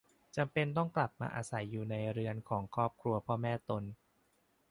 จำเป็นต้องกลับมาอยู่อาศัยในเรือนของครอบครัวพ่อแม่ตน